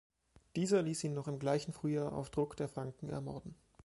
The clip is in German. Dieser ließ ihn noch im gleichen Frühjahr auf Druck der Franken ermorden.